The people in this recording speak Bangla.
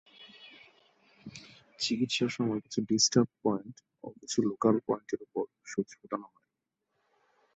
চিকিৎসার সময় কিছু ‘ডিস্টার্বড পয়েন্ট’ ও কিছু ‘লোকাল পয়েন্ট’-এর উপর সুচ ফোটানো হয়।